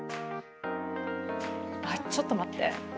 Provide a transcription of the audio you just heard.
あれ、ちょっと待って。